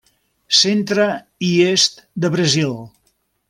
Centre i est de Brasil.